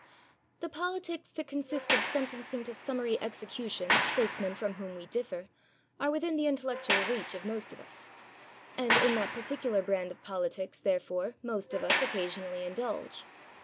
The politics that consist of sentencing to summary execution statesmen from whom we differ are within the intellectual reach of most of us; and in that particular brand of politics, therefore, most of us occasionally indulge.